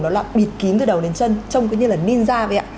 đó là bịt kín từ đầu đến chân trông cứ như là ninja vậy ạ